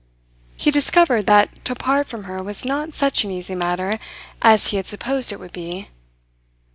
He discovered that to part from her was not such an easy matter as he had supposed it would be.